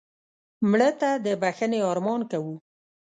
مړه ته د بښنې ارمان کوو